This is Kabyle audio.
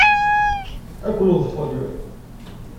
Ad ken-ḍḍfen.